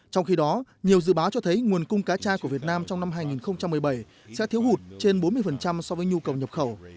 trong khi đó nhiều dự báo cho thấy nguồn cung cá cha của việt nam trong năm hai nghìn một mươi bảy sẽ thiếu hụt trên bốn mươi so với nhu cầu nhập khẩu